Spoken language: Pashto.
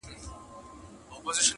بوډا په ټولو کي پردی سړی لیدلای نه سو!!